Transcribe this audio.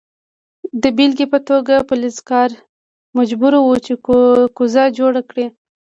د بیلګې په توګه فلزکار مجبور و چې کوزه جوړه کړي.